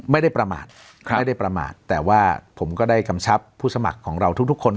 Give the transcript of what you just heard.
ไม่ได้ประมาทไม่ได้ประมาทแต่ว่าผมก็ได้กำชับผู้สมัครของเราทุกคน